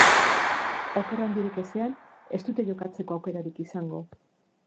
Oker handirik ezean ez dute jokatzeko aukerarik izango.